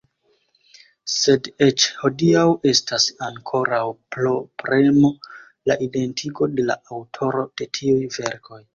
Sed eĉ hodiaŭ estas ankoraŭ problemo la identigo de la aŭtoro de tiuj verkoj.